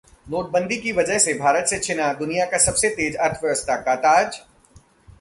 नोटबंदी की वजह से भारत से छिना दुनिया की सबसे तेज अर्थव्यवस्था का ताज?